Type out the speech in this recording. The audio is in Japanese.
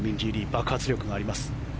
爆発力があります。